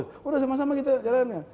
sudah sama sama kita lihat jalannya